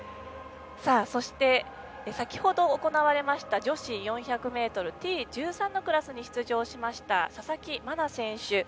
そして先ほど行われた女子４００ｍＴ１３のクラスに出場しました佐々木真菜選手。